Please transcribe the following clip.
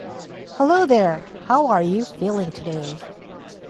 Hello there, how are you feeling today?